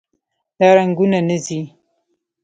دا رنګونه نه ځي.